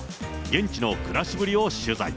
現地の暮らしぶりを取材。